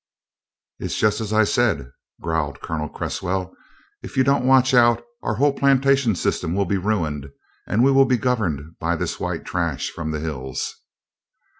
"It's just as I said," growled Colonel Cresswell, "if you don't watch out our whole plantation system will be ruined and we'll be governed by this white trash from the hills."